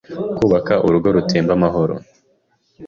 kubaka urugo rutemba amahoro